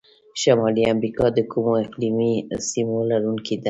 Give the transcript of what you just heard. شمالي امریکا د کومو اقلیمي سیمو لرونکي ده؟